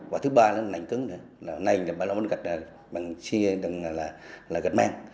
và thứ ba là nành cứng nành là bằng gạch bằng chia là gạch mang